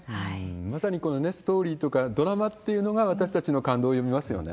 まさにこのストーリーとかドラマっていうのが、私たちの感動を呼びますよね。